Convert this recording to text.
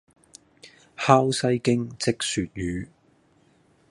烤西京漬鱈魚